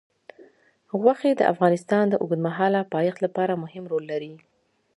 غوښې د افغانستان د اوږدمهاله پایښت لپاره مهم رول لري.